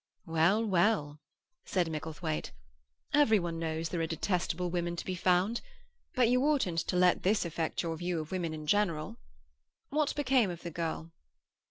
"Well, well," said Micklethwaite, "every one knows there are detestable women to be found. But you oughtn't to let this affect your view of women in general. What became of the girl?"